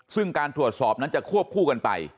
ซึ่งการตรวจสอบนั้นจะควบคู่กันไป